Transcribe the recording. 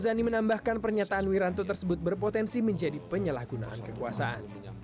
zani menambahkan pernyataan wiranto tersebut berpotensi menjadi penyalahgunaan kekuasaan